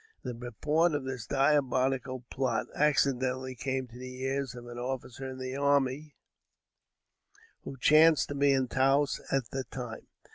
The purport of this diabolical plot accidentally came to the ears of an officer in the army, who chanced to be in Taos at the time.